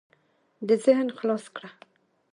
دې ذهن خلاص کړه.